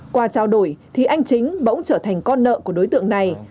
qua trao đổi thì anh chính bỗng trở thành con nợ của đối tượng này